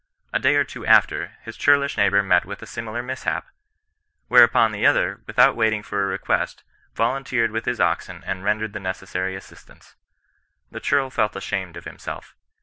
A day or two after, his churlish neighbour met with a similar mishap. Whereupon the other, without waiting for a request, volunteered with his oxen and rendered the ne cessary assistance. The churl felt ashamed of himself.